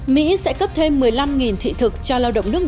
mỹ sẽ cấp thêm một mươi năm thị thực cho lao động nước